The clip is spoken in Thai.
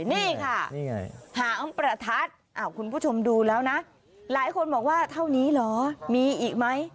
นี่ค่ะหางประทัดคุณผู้ชมดูแล้วนะหลายคนบอกว่าเท่านี้เหรอมีอีกไหม